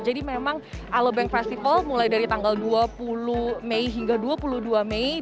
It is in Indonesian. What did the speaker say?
jadi memang alobank festival mulai dari tanggal dua puluh mei hingga dua puluh dua mei